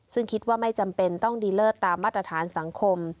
ซึ่งคิดว่าไม่จำเป็นต้องดีเลิศตามมาตรฐานสังคม